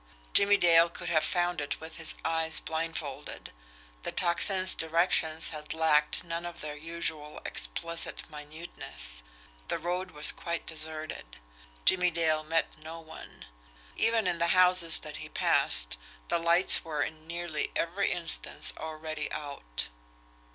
Jimmie Dale could have found it with his eyes blindfolded the Tocsin's directions had lacked none of their usual explicit minuteness. The road was quite deserted. Jimmie Dale met no one. Even in the houses that he passed the lights were in nearly every instance already out.